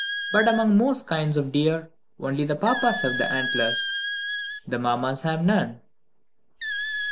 But among most kinds of deer, only the Papas have the antlers; the Mammas have none.